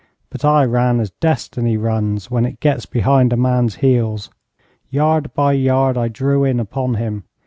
But I ran as Destiny runs when it gets behind a man's heels. Yard by yard I drew in upon him.